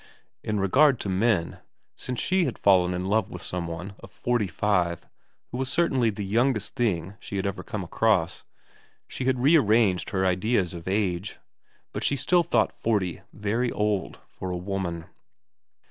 In regard to men, since she had fallen in love with some one of forty five who was certainly the youngest thing she had ever come across, she had rearranged her ideas of age, but she still thought forty very old for a woman.